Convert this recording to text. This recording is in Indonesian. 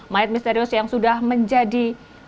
mayat misterius yang sudah menjadi